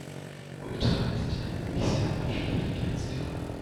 Ultra ist der höchste aller Schwierigkeitsgrade.